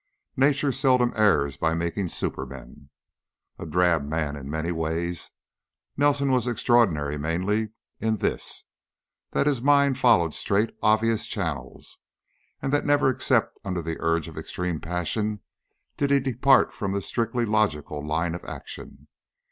Nature seldom errs by making supermen. A drab man, in many ways, Nelson was extraordinary mainly in this, that his mind followed straight, obvious channels, and that never, except under the urge of extreme passion, did he depart from the strictly logical line of action.